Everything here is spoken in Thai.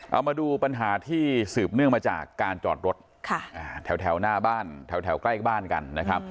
เอามาดูปัญหาที่สืบเนื่องมาจากการจอดรถแถวหน้าบ้านแถวใกล้บ้านกันนะครับ